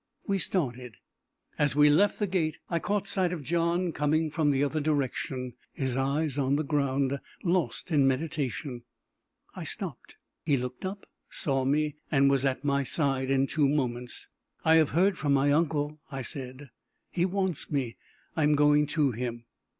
We started. As we left the gate, I caught sight of John coming from the other direction, his eyes on the ground, lost in meditation. I stopped. He looked up, saw me, and was at my side in two moments. "I have heard from my uncle," I said. "He wants me. I am going to him."